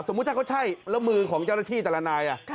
ถ้าเขาใช่แล้วมือของเจ้าหน้าที่แต่ละนาย